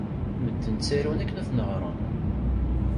Medden ttarun akken ad ten-ɣren.